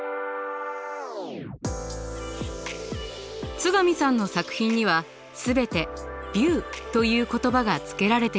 津上さんの作品には全て「Ｖｉｅｗ」という言葉がつけられています。